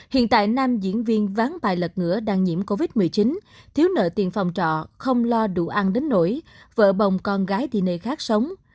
hiện tại nam diễn viên ván bài lật ngựa đang nhiễm covid một mươi chín thiếu nợ tiền phòng trọ không lo đủ ăn đến nổi vợ bồng con gái thì nơi khác sống